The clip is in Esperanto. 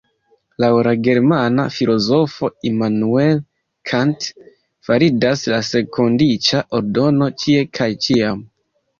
Laŭ la germana filozofo Immanuel Kant validas la senkondiĉa ordono ĉie kaj ĉiam.